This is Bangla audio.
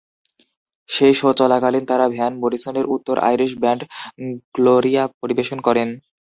সেই শো চলাকালীন, তারা ভ্যান মরিসনের উত্তর আইরিশ ব্যান্ড "গ্লোরিয়া" পরিবেশন করেন।